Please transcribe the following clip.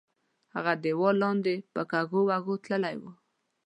هغه دیوال لاندې په کږو وږو تللی وو.